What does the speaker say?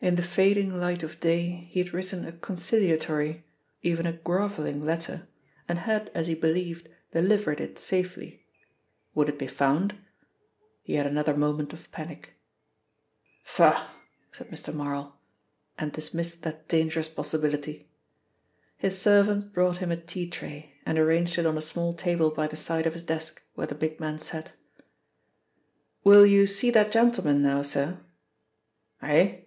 In the fading light of day he had written a conciliatory, even a grovelling letter, and had, as he believed, delivered it safely. Would it be found? He had another moment of panic. "Pshaw!" said Mr. Marl, and dismissed that dangerous possibility. His servant brought him a tea tray and arranged it on a small table by the side of his desk, where the big man sat. "Will you see that gentleman now, sir?" "Eh?"